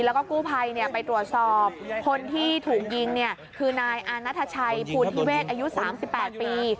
แล้วก็กู้ภัยไปตรวจสอบคนที่ถูกยิงเนี่ยคือนายอานัทชัยภูทิเวศอายุ๓๘ปี